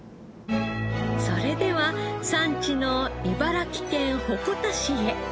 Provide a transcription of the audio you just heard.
それでは産地の茨城県鉾田市へ。